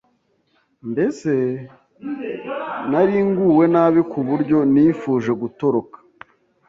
mbese nari nguwe nabi ku buryo nifuje gutoroka